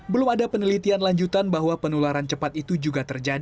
belum ada penelitian lanjutan bahwa penularan cepat itu juga terjadi